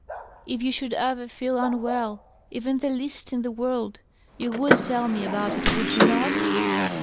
" If you should ever feel unwell— even the least in the world — ^you would tell me about it, would you not